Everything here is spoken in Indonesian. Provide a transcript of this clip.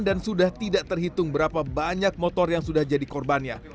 dan sudah tidak terhitung berapa banyak motor yang sudah jadi korbannya